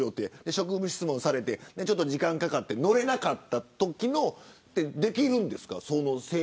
職務質問されて時間かかって乗れなかったときの請求ってできるんですか。